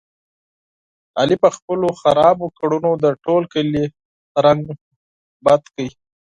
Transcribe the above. علي په خپلو خرابو کړنو د ټول کلي رنګه بده کړله.